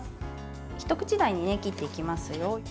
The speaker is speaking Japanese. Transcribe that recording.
一口大に切っていきます。